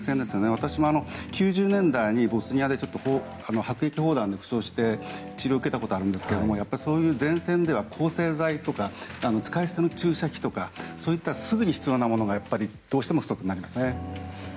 私も９０年代にボスニアで迫撃砲弾で負傷して治療を受けたことがあるんですがそういう前線では抗生剤とか使い捨ての注射器とかすぐに必要なものがどうしても不足しますね。